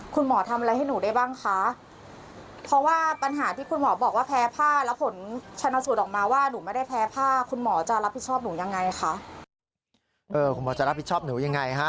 คุณหมอจะรับผิดชอบหนูยังไงฮะ